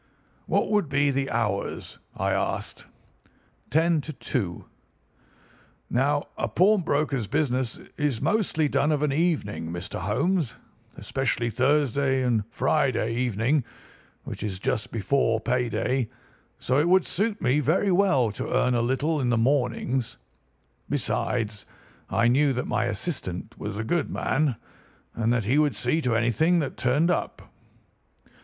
"'What would be the hours?' I asked. "'Ten to two.' "Now a pawnbroker's business is mostly done of an evening, Mr. Holmes, especially Thursday and Friday evening, which is just before pay day; so it would suit me very well to earn a little in the mornings. Besides, I knew that my assistant was a good man, and that he would see to anything that turned up.